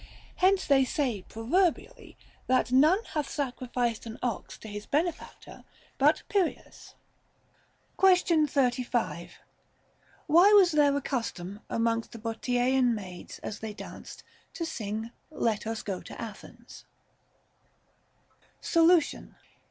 Hence they say proverbially that none hath sacrificed an ox to his benefactor but Pyrrhias. Question 35. Why was there a custom amongst the Bottiaean maids, as they danced, to sing, " Let us go to Athens " X Solution.